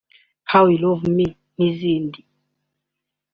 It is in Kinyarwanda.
why you love me n’izindi